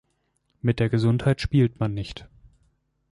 Mit der Gesundheit spielt man nicht!